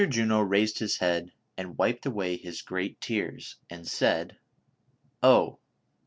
JUNO raised his head and wiped away his great tears, and said :'' Oh